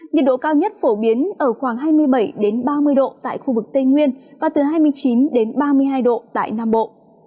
nhiệt độ cao nhất phổ biến ở khoảng hai mươi bảy ba mươi độ tại khu vực tây nguyên và từ hai mươi chín ba mươi hai độ tại nam bộ